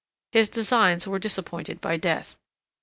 His designs were disappointed by death.